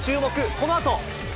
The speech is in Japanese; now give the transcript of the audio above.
このあと。